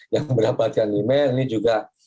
yang mendapatkan email ini juga